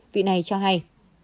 vị này cho hay